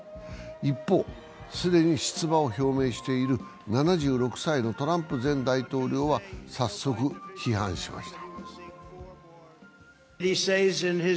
一方、既に出馬を表明している７６歳のトランプ前大統領は早速、批判しました。